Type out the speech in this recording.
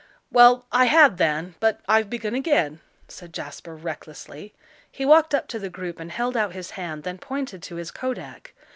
"Well, I had then, but I've begun again," said Jasper, recklessly. He walked up to the group and held out his hand, then pointed to his kodak.